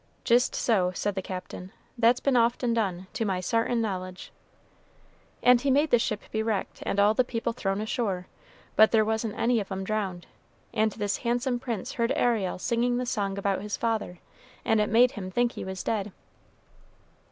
"Jist so," said the Captain; "that's been often done, to my sartin knowledge." "And he made the ship be wrecked, and all the people thrown ashore, but there wasn't any of 'em drowned, and this handsome prince heard Ariel singing this song about his father, and it made him think he was dead."